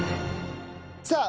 さあ